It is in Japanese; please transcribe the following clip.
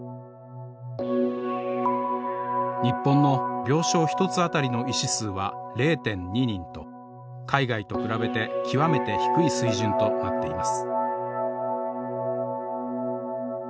日本の病床１つあたりの医師数は０．２人と海外と比べて極めて低い水準となっています。